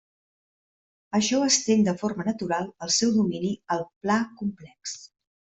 Això estén de forma natural el seu domini al pla complex.